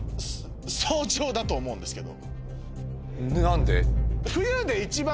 早朝だと思うんですけど。